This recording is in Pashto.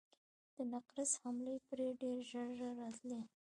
د نقرس حملې پرې ډېر ژر ژر راتلې.